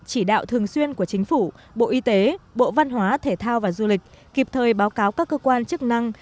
chỉ đạo thường xuyên của chính phủ bộ y tế bộ văn hóa thể thao và du lịch kịp thời báo cáo các cơ quan chức năng